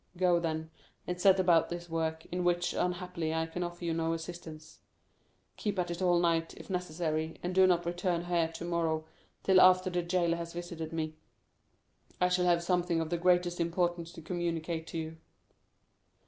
Go, then, and set about this work, in which, unhappily, I can offer you no assistance; keep at it all night, if necessary, and do not return here tomorrow till after the jailer has visited me. I shall have something of the greatest importance to communicate to you."